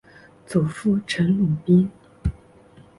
祖父陈鲁宾。